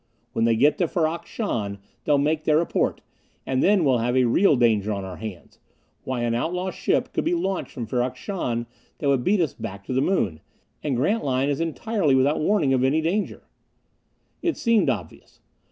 When they get to Ferrok Shahn they'll make their report, and then we'll have a real danger on our hands. Why, an outlaw ship could be launched from Ferrok Shahn that would beat us back to the Moon and Grantline is entirely without warning of any danger!" It seemed obvious.